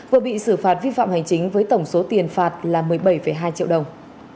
vừa bị xử phạt vi phạm hành chính với tổng số tiền phạt là một mươi bảy hai triệu đồng